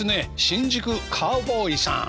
新宿カウボーイさん。